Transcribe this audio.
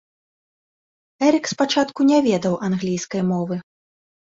Эрык спачатку не ведаў англійскай мовы.